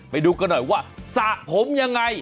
ไปดูกันหน่อยว่าสระผมยังไง